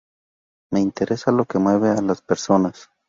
Me interesa lo que mueve a las personas.